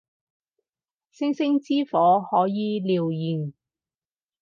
星星之火可以燎原